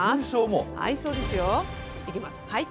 そうですよ。いきます。